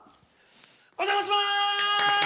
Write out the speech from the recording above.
お邪魔します！